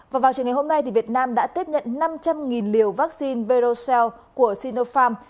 và vào trường ngày hôm nay việt nam đã tiếp nhận năm trăm linh liều vaccine verocel của sinopharm